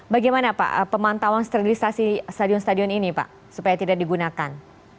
bagaimana pak pemantauan sterilisasi stadion stadion ini pak supaya tidak digunakan